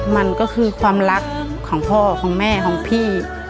มันก็คือความรักของพ่อของแม่ของพี่